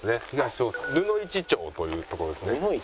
布市町という所ですね。